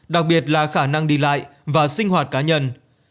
đặc biệt là khả năng đi lại và sinh hoạt cá nhân